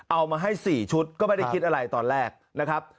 เอามาให้๔ชุดก็ไม่ได้คิดอะไรตอนแรกนะครับ